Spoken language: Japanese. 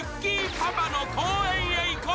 パパの公園へ行こう！」。